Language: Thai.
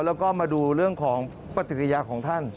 แล้วก็มาดูเรื่องของปฏิกิริยาของท่าน